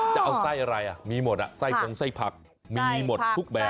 จะเอาไส้อะไรมีหมดไส้พงไส้ผักมีหมดทุกแบบ